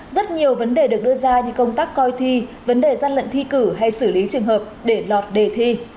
rất nhiều vấn đề được đưa ra như công tác coi thi vấn đề gian lận thi cử hay xử lý trường hợp để lọt đề thi